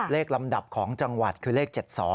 ลำดับของจังหวัดคือเลข๗๒